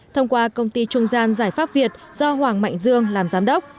thông qua công ty trung gian giải pháp việt do hoàng mạnh dương làm giám đốc